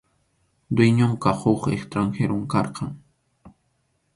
Dueñonqa huk extranjerom karqan.